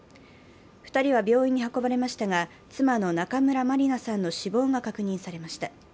２人は病院に運ばれましたが、妻の中村まりなさんの死亡が確認されました。